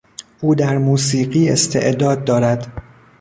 او در موسیقی استعداد دارد.